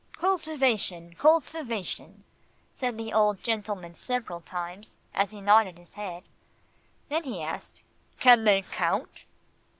"Cultivation, cultivation," said the old gentleman several times, as he nodded his head. Then he asked, "Can they count?"